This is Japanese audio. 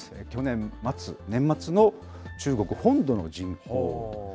去年末、年末の中国本土の人口と。